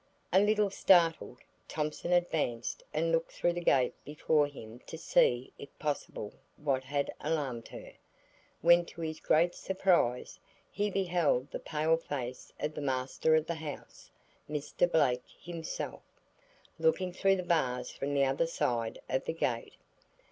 A little startled, Thompson advanced and looked through the gate before him to see if possible what had alarmed her, when to his great surprise, he beheld the pale face of the master of the house, Mr. Blake himself, looking through the bars from the other side of the gate.